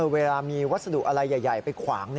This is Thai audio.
เวลามีวัสดุอะไรใหญ่ไปขวาง